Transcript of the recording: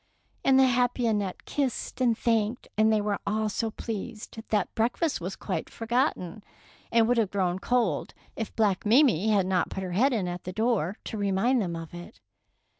And the happy Annette kissed and thanked, and they were all so pleased that breakfast was quite forgotten and 180 THE PEAEL NECKLACE would have grown cold if black Mimi had not put her head in at the door to remind them of it.